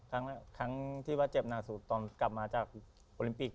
ทั้งที่เจ็บหน้าสูตรกลับมาจากโอลิมปีค